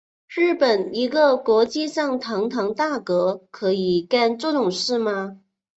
日本一个国际上堂堂大国可以干这种事吗？